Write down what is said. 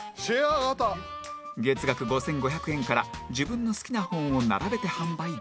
月額５５００円から自分の好きな本を並べて販売できる